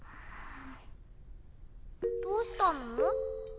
どうしたの？